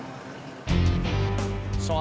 kita ke terminal sekarang